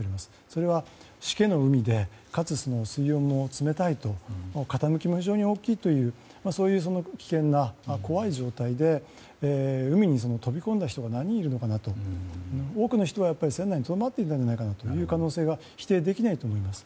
それは、しけの海でかつ水温も冷たいと傾きも非常に大きいというそういう危険な怖い状態で海に飛び込んだ人が何人いるのかと多くの人は船内にとどまっていた可能性が否定できないと思います。